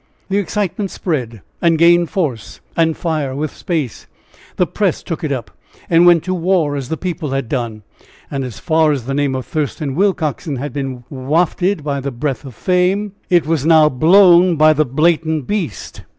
The excitement spread and gained force and fire with space. The press took it up, and went to war as the people had done. And as far as the name of Thurston Willcoxen had been wafted by the breath of fame, it was now blown by the "Blatant Beast."